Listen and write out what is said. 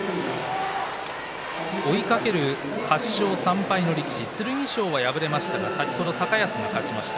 追いかける８勝３敗の力士剣翔が敗れましたが先ほど高安が勝ちました。